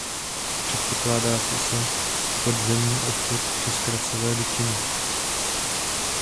Předpokládá se podzemní odtok přes krasové dutiny.